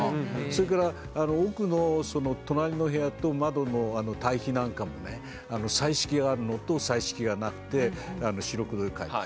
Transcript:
それから奥の隣の部屋と窓の対比なんかもね彩色があるのと彩色がなくて白黒で描いて。